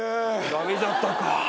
駄目じゃったか。